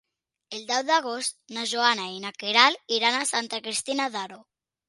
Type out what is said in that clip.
El deu d'agost na Joana i na Queralt iran a Santa Cristina d'Aro.